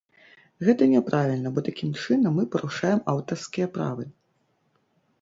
Гэта няправільна, бо такім чынам мы парушаем аўтарскія правы.